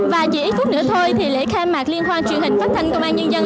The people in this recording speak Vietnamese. và chỉ ít phút nữa thôi thì lễ khai mạc liên hoan truyền hình phát thanh công an nhân dân